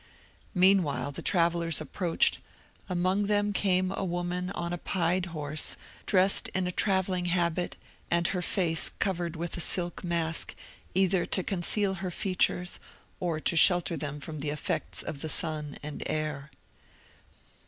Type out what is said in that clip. Meanwhile the travellers approached; among them came a woman on a pied horse, dressed in a travelling habit, and her face covered with a silk mask, either to conceal her features, or to shelter them from the effects of the sun and air.